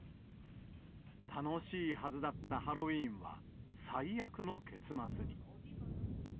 楽しいはずだったハロウィーンは、最悪の結末に。